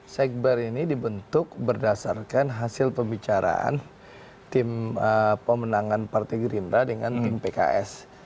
sekber ini dibentuk berdasarkan hasil pembicaraan tim pemenangan partai gerindra dengan tim pks